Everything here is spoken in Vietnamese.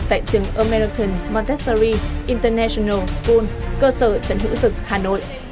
tại trường american montessori international school cơ sở trần hữu dực hà nội